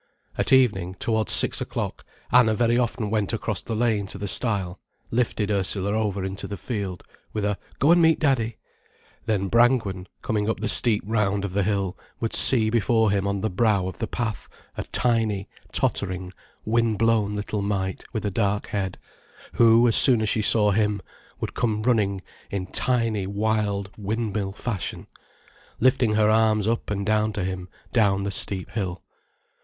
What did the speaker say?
At evening, towards six o'clock, Anna very often went across the lane to the stile, lifted Ursula over into the field, with a: "Go and meet Daddy." Then Brangwen, coming up the steep round of the hill, would see before him on the brow of the path a tiny, tottering, windblown little mite with a dark head, who, as soon as she saw him, would come running in tiny, wild, windmill fashion, lifting her arms up and down to him, down the steep hill.